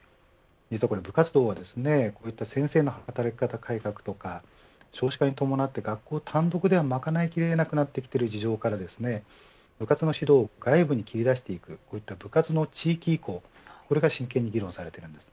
部活動はこういった先生の働き方改革とか少子化に伴って学校単独ではまかないきれなくなってきている事情から部活の指導を外部に切り出していく、こうした部活の地域移行、これが真剣に議論されているんです。